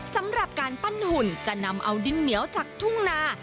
สำหรับการปั้นหุ่นจะนำเอาดินเหนียวจากทุ่งนา